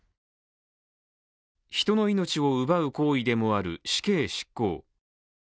人の命を奪う行為でもある死刑執行。